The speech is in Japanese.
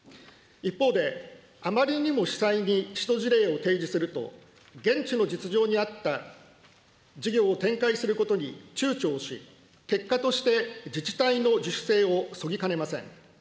一方で、あまりにも子細に使途事例を提示すると、現地の実情に合った事業を展開することにちゅうちょをし、結果として自治体の自主性をそぎかねません。